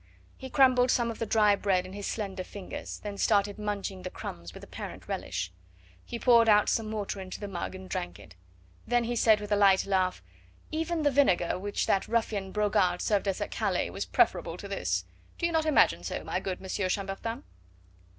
He crumbled some of the dry bread in his slender fingers, then started munching the crumbs with apparent relish. He poured out some water into the mug and drank it. Then he said with a light laugh: "Even the vinegar which that ruffian Brogard served us at Calais was preferable to this, do you not imagine so, my good Monsieur Chambertin?"